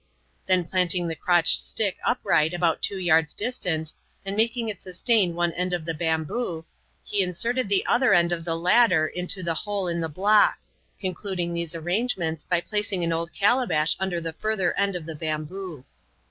Then plant ing the crotched stick upright about two yards distant, and^ making it sustain one end of the bamboo, he inserted the other end of the latter into the hole in the block ; concluding these ar^ nmgements, by placing an old calabash under the further end of Hie bamboo.